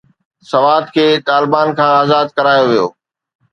سوات کي طالبان کان آزاد ڪرايو ويو.